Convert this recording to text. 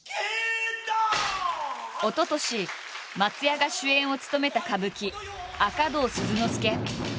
おととし松也が主演を務めた歌舞伎「赤胴鈴之助」。